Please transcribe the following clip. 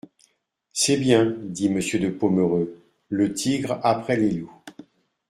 C'est bien, dit Monsieur de Pomereux : le tigre après les loups.